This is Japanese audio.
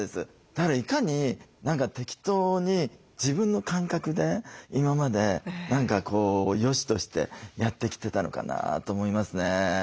だからいかに適当に自分の感覚で今までよしとしてやってきてたのかなと思いますね。